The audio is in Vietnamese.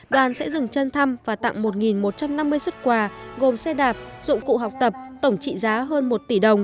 đoàn sẽ dừng chân thăm và tặng một một trăm năm mươi xuất quà gồm xe đạp dụng cụ học tập tổng trị giá hơn một tỷ đồng